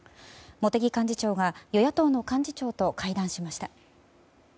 茂木幹事長が与野党の幹事長と会談しました。